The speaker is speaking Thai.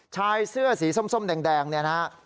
ชายเสื้อสีส้มแดงนี่นะครับ